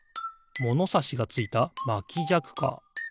ものさしがついたまきじゃくか。